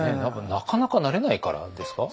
なかなかなれないからですか？